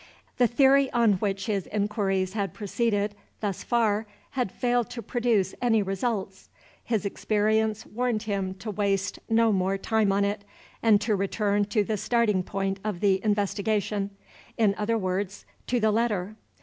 The theory on which his inquiries had proceeded thus far had failed to produce any results. His experience warned him to waste no more time on it, and to return to the starting point of the investigation in other words, to the letter.